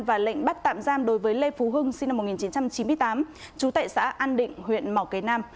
và lệnh bắt tạm giam đối với lê phú hưng sinh năm một nghìn chín trăm chín mươi tám trú tại xã an định huyện mỏ cầy nam